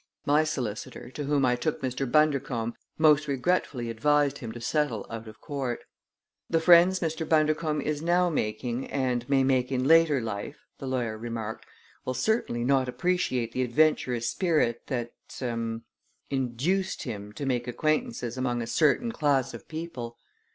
My solicitor, to whom I took Mr. Bundercombe, most regretfully advised him to settle out of court. "The friends Mr. Bundercombe is now making and may make in later life," the lawyer remarked, "will certainly not appreciate the adventurous spirit that er induced him to make acquaintances among a certain class of people.